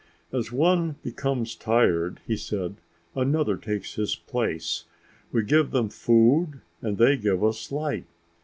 "As one becomes tired," he said, "another takes his place. We give them food and they give us light.